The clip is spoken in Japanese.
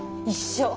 一緒。